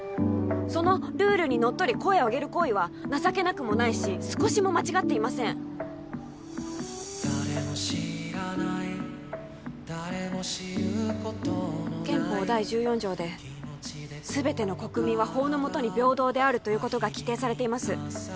そのルールにのっとり声を上げる行為は情けなくもないし少しも間違っていません憲法第１４条で全ての国民は法の下に平等であるということが規定されています